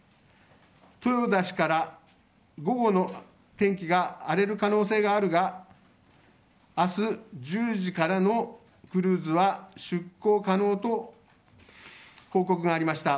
豊田氏から、午後の天気が荒れる可能性があるが明日１０時からのクルーズは出航可能と報告がありました。